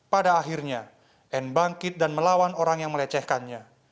pada akhirnya anne bangkit dan melawan orang yang melecehkannya